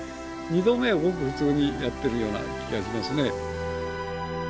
２度目はごく普通にやってるような気がしますね。